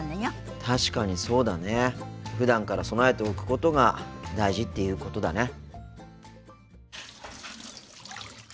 確かにそうだね。ふだんから備えておくことが大事っていうことだね。